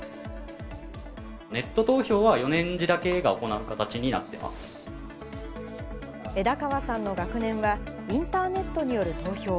ネット投票は４年次だけが行枝川さんの学年は、インターネットによる投票。